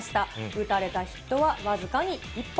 打たれたヒットは僅かに１本。